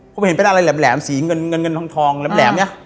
ผมเห็นเป็นอะไรแหลมสีเงินเงินทองแหลมเนี่ย